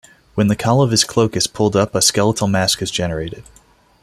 When the cowl of his cloak is pulled up a skeletal mask is generated.